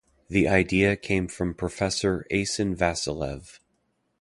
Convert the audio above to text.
The idea came from Professor Asen Vasiliev.